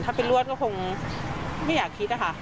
ถ้าเป็นรวดก็คงไม่อยากคิดนะคะ